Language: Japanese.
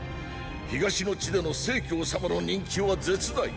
東の地での成様の人気は絶大。